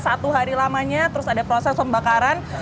satu hari lamanya terus ada proses pembakaran